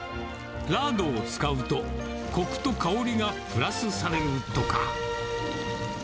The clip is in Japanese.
ラードを使うと、こくと香りがプラスされるとか。